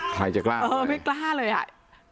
ใครจะกล้าเออไม่กล้าเลยอ่ะ